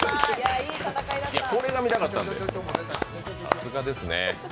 これが見たかったんだよ、さすがですね。